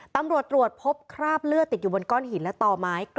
ตำรวจตรวจพบคราบเลือดติดอยู่บนก้อนหินและต่อไม้